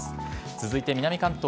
続いて南関東。